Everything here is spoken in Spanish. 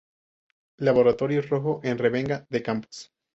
Laboratorios Rojo en Revenga de Campos.